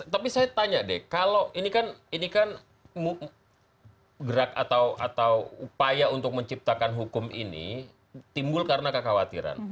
tapi saya tanya deh kalau ini kan gerak atau upaya untuk menciptakan hukum ini timbul karena kekhawatiran